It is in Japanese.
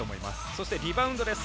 そしてリバウンドです。